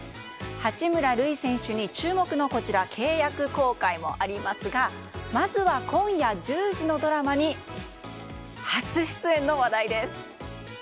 八村塁選手に注目の契約更改もありますがまずは今夜１０時のドラマに初出演の話題です。